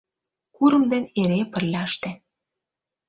Курым ден эре пырляште —